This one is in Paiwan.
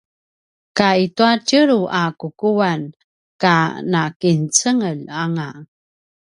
ka i tua tjelu a kukuan ka nakincengeljanga